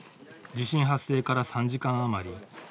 地震発生から３時間余り。